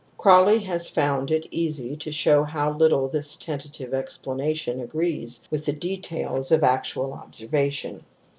Crawley has found it easy to show how little this tentative explanation agrees with the details of actual observation.